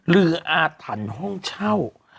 อาถรรพ์ห้องเช่า